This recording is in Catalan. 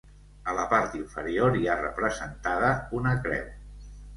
A la part inferior hi ha representada una creu.